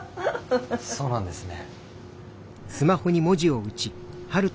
そうなんですね。